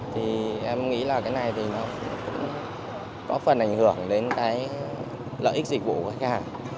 thì em nghĩ là cái này thì nó cũng có phần ảnh hưởng đến cái lợi ích dịch vụ của khách hàng